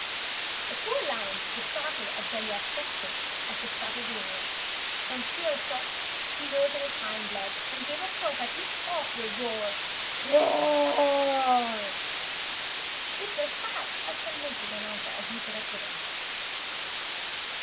The poor lion was as startled at Jellia's question as the Stratovanians. From sheer shock, he rose on his hind legs and let out a perfectly awful roar which was perhaps as convincing an answer as he could have given.